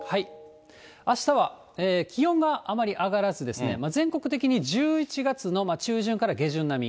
あしたは気温があまり上がらずですね、全国的に１１月の中旬から下旬並み。